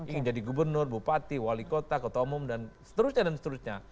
ingin jadi gubernur bupati wali kota kota umum dan seterusnya